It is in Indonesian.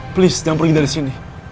please yang pergi dari sini